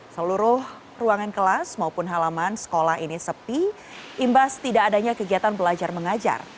seluruh ruangan kelas maupun halaman sekolah ini sepi imbas tidak adanya kegiatan belajar mengajar